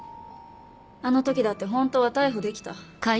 あの時だって本当は逮捕できた。